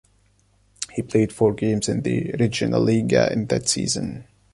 He played four games in the Regionalliga in that season.